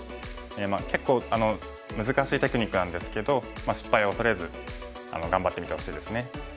結構難しいテクニックなんですけど失敗を恐れず頑張ってみてほしいですね。